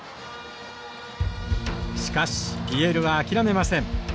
しかしＰＬは諦めません。